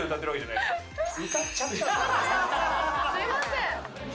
すいません。